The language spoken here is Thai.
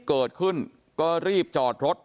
เกิดขึ้นก็รีบจอดรถ